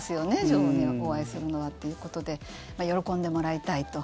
女王にお会いするのはということで喜んでもらいたいと。